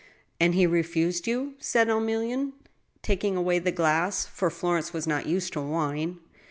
" And he refused you ?" said Emilienne, taking away the glass, for Florence was not used to wine.